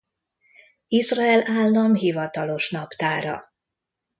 Izrael Állam hivatalos naptára.